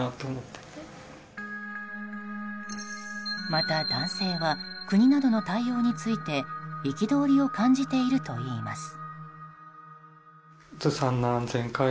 また男性は国などの対応について憤りを感じているといいます。